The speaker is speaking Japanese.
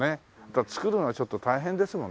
造るのがちょっと大変ですもんね